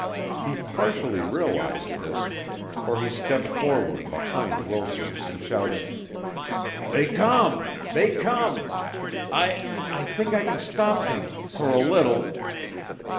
He partially realized this, for he stepped forward behind Wilson and shouted: "They come! They come! I I think I can stop them for a little.